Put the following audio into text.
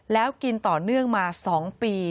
แล้วกินต่อเนื่องมา๒ปี